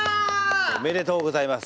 おめでとうございます。